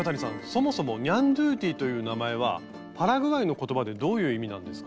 そもそもニャンドゥティという名前はパラグアイの言葉でどういう意味なんですか？